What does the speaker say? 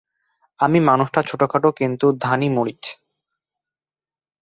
আমি মানুষটা ছোটখাটো কিন্তু ধানি মরিচ।